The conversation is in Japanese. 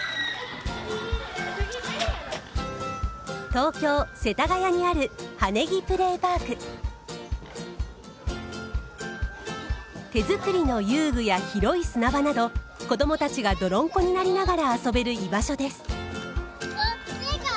東京・世田谷にある手作りの遊具や広い砂場など子どもたちが泥んこになりながら遊べる居場所です。